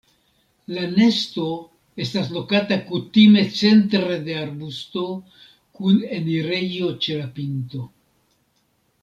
La nesto estas lokata kutime centre de arbusto kun enirejo ĉe la pinto.